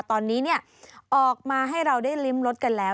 ตอนนี้ออกมาให้เราได้ริมรสกันแล้ว